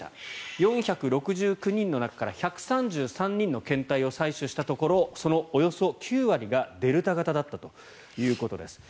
４６９人の中から１３３人の検体を採取したところそのおよそ９割がデルタ型だったということです。